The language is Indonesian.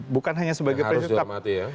bukan hanya sebagai presiden